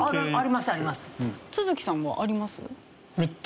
都築さんはあります？